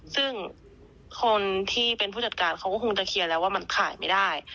ซึ่งคนที่เป็นผู้จัดการเขาก็คงจะเคลียร์แล้วว่ามันขายไม่ได้